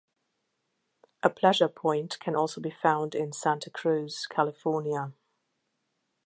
A Pleasure Point can also be found in Santa Cruz, California.